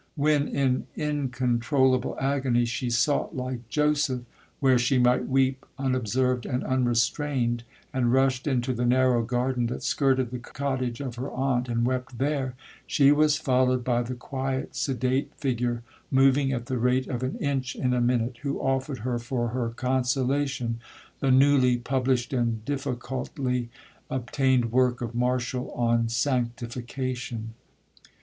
When, in incontroulable agony, she sought, like Joseph, where she might weep unobserved and unrestrained, and rushed into the narrow garden that skirted the cottage of her aunt, and wept there, she was followed by the quiet, sedate figure, moving at the rate of an inch in a minute, who offered her for her consolation, the newly published and difficultly obtained work of Marshall on Sanctification. 1 Anachronism—n'importe.